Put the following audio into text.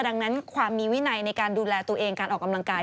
ดังนั้นความมีวินัยในการดูแลตัวเองการออกกำลังกาย